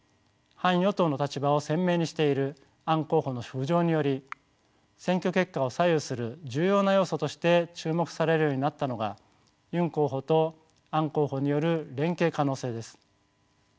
反与党の立場を鮮明にしているアン候補の浮上により選挙結果を左右する重要な要素として注目されるようになったのがユン候補とアン候補による連携可能性です。